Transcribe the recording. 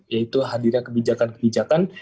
yaitu hadirnya kebijakan kebijakan